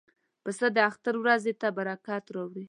پسه د اختر ورځې ته برکت راوړي.